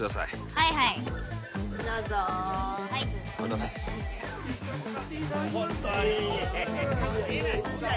はいはいどうぞはいありがとうございますいや